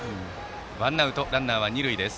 ワンアウトランナーは二塁です。